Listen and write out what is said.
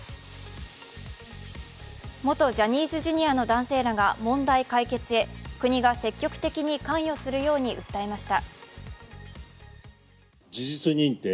元ジャニーズＪｒ．の男性らが問題解決へ、国が積極的に関与するように訴えました。